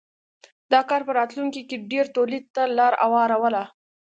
دا کار په راتلونکې کې ډېر تولید ته لار هواروله.